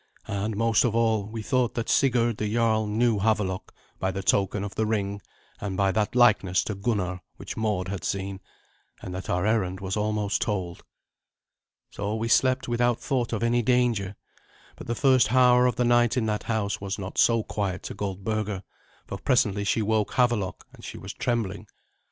And most of all, we thought that Sigurd the jarl knew Havelok by the token of the ring and by that likeness to Gunnar which Mord had seen, and that our errand was almost told. So we slept without thought of any danger; but the first hour of the night in that house was not so quiet to Goldberga, for presently she woke Havelok, and she was trembling.